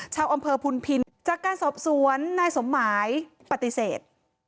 ชาวอำเภอพุนพินจากการสอบสวนนายสมหมายปฏิเสธ